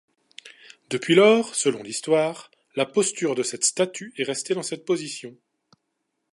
Depuis lors, selon l'histoire, la posture de cette statue est restée dans cette position.